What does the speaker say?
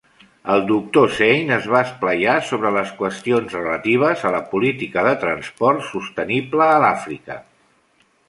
El Dr. Sane es va esplaiar sobre les qüestions relatives a la política de transport sostenible a l'Àfrica.